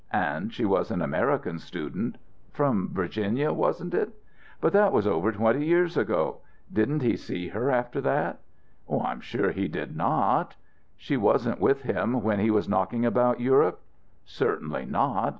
And she was an American student from Virginia, wasn't it? But that was over twenty years ago. Didn't he see her after that?" "I am sure he did not." "She wasn't with him when he was knocking about Europe?" "Certainly not.